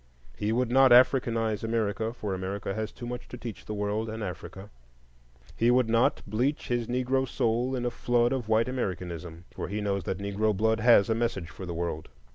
He would not Africanize America, for America has too much to teach the world and Africa. He would not bleach his Negro soul in a flood of white Americanism, for he knows that Negro blood has a message for the world.